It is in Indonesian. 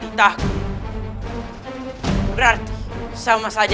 itu meer supaya kau boleh muzik